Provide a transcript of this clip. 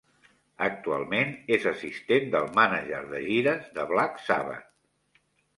Actualment és assistent del mànager de gires de Black Sabbath.